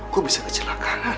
kok bisa kecelakaan